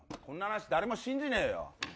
こんな話誰も信じねえよ。